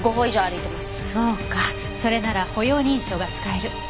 そうかそれなら歩容認証が使える。